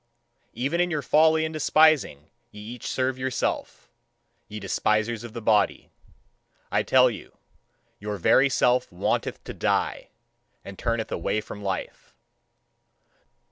Even in your folly and despising ye each serve your Self, ye despisers of the body. I tell you, your very Self wanteth to die, and turneth away from life.